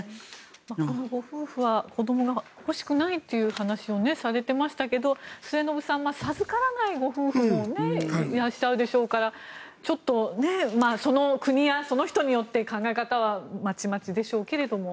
このご夫婦は子どもが欲しくないという話をされていましたけど末延さん、授からないご夫婦もいらっしゃるでしょうからその国やその人によって考え方はまちまちでしょうけども。